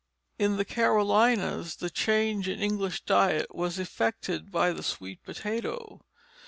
In the Carolinas the change in English diet was effected by the sweet potato.